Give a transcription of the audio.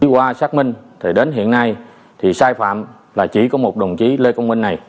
qua xác minh thì đến hiện nay thì sai phạm là chỉ có một đồng chí lê công minh này